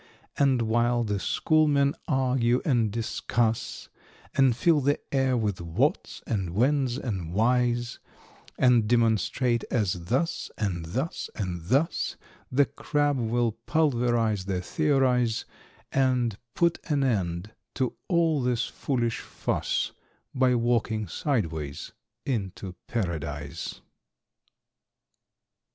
= And while the schoolmen argue and discuss, `And fill the air with "whats," and "whens," and "whys," And demonstrate as: thus, and thus, and thus, `The crab will pulverise their theories, And put an end to all this foolish fuss `By walking sideways into Paradise.